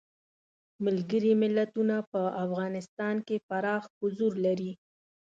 ملګري ملتونه په افغانستان کې پراخ حضور لري.